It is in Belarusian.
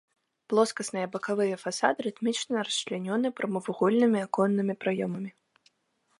Плоскасныя бакавыя фасады рытмічна расчлянёны прамавугольнымі аконнымі праёмамі.